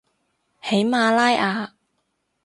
喜马拉雅